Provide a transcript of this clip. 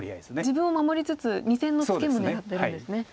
自分を守りつつ２線のツケも狙ってるんですね。